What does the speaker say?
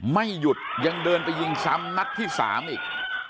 ไม่หยุดยังเดินไปยิงซ้ำนัดที่๓อีก